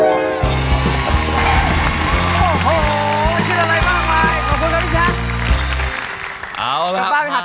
โอ้โหชื่ออะไรมากมายขอบคุณครับพี่แจ๊ค